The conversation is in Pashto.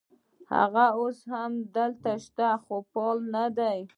هغه اوس هم شته خو فعال نه دي.